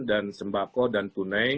dan sembako dan tunai